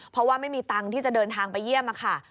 เพราะว่าไม่มีตังค์ที่จะเดินทางไปเยี่ยมค่ะ